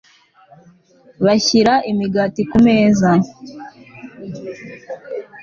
bashyira imigati ku meza